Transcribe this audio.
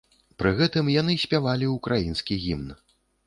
Пры гэтым яны спявалі ўкраінскі гімн.